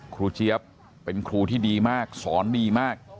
เจี๊ยบเป็นครูที่ดีมากสอนดีมาก